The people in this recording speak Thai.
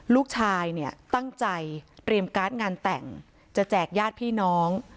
ลูกชายเนี่ยตั้งใจเตรียมการ์ดงานแต่งจะแจกญาติพี่น้อง